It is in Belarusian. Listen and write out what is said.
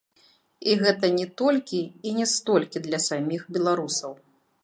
І гэта не толькі і не столькі для саміх беларусаў.